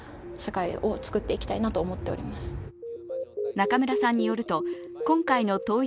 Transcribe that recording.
中村さんによると今回の統一